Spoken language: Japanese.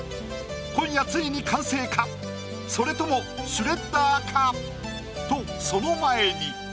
今夜ついに完成か⁉それともシュレッダーか⁉とその前に。